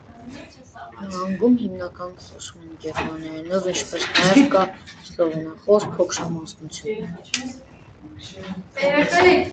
Նահանգում հիմնականում խոսում են գերմաներենով, ինչպես նաև կա սլովենախոս փոքրամասնություն։